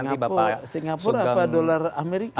singapura apa dolar amerika